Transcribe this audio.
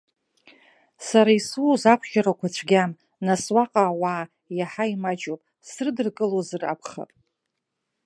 Сара исоуз ахәшьарақәа цәгьам, нас уаҟа ауаа иаҳа имаҷуп, срыдыркылозар акәхап.